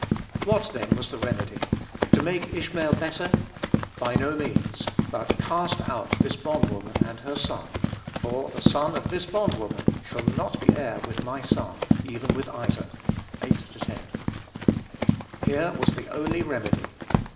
What, then, was the remedy? To make Ishmael better? By no means; but, "cast out this bond woman and her son; for the son of this bond woman shall not be heir with my son, even with Isaac." (8 10.) Here was the only remedy.